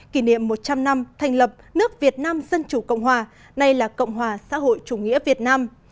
kỷ niệm một trăm linh năm thành lập nước việt nam dân chủ cộng hòa nay là cộng hòa xã hội chủ nghĩa việt nam